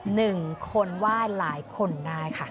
หนึ่งคนไหว้หลายคนได้ค่ะ